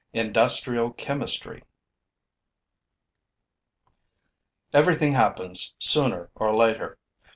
INDUSTRIAL CHEMISTRY Everything happens sooner or later.